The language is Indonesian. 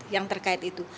yang terkait itu